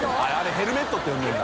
ヘルメットって呼んでるんだ。